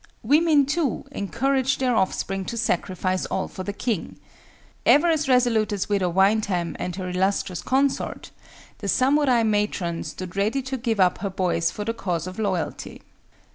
Women, too, encouraged their offspring to sacrifice all for the king. Ever as resolute as Widow Windham and her illustrious consort, the samurai matron stood ready to give up her boys for the cause of Loyalty.